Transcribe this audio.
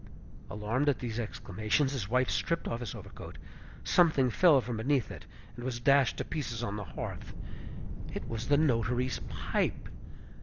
Alarmed at these exclamations, his wife stripped off his overcoat. Something fell from beneath it, and was dashed to pieces on the hearth. It was the notary's pipe!